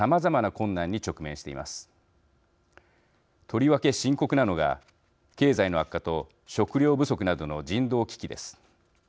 とりわけ深刻なのが経済の悪化と食料不足などの人道危機です。